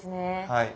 はい。